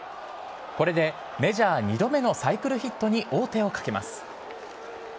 これでメジャー２度目のサイクルヒットに王手をかけます。